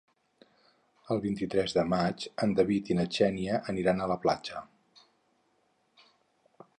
El vint-i-tres de maig en David i na Xènia aniran a la platja.